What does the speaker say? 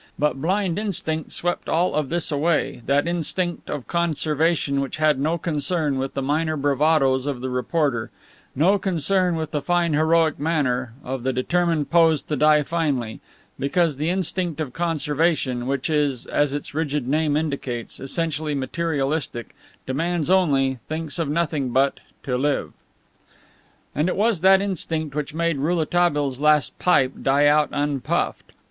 But blind instinct swept all of this away, that instinct of conservation which had no concern with the minor bravadoes of the reporter, no concern with the fine heroic manner, of the determined pose to die finely, because the instinct of conservation, which is, as its rigid name indicates, essentially materialistic, demands only, thinks of nothing but, to live. And it was that instinct which made Rouletabille's last pipe die out unpuffed.